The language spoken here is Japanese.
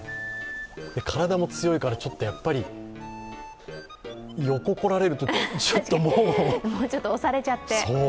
体も強いからやっぱり横にこられるとちょっともうちょっと押されちゃって。